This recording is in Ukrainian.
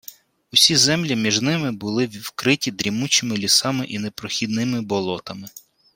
Усі землі між ними були вкриті дрімучими лісами й непрохідними болотами